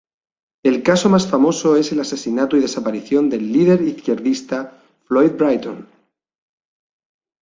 El caso más famoso es el asesinato y desaparición del líder izquierdista Floyd Britton.